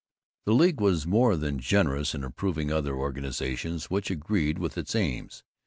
The League was more than generous in approving other organizations which agreed with its aims.